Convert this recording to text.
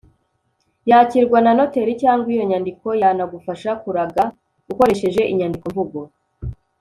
yakirwa na noteri cyangwa iyo nyandiko yanagufasha kuraga ukoresheje inyandiko mvugo